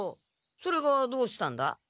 それがどうしたんだ？